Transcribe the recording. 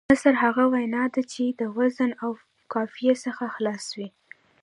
نثر هغه وینا ده، چي د وزن او قافيې څخه خلاصه وي.